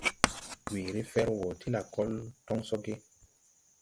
Weere fer wo ti lakol toŋ so ge?